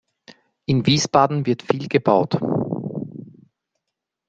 In Wiesbaden wird viel gebaut.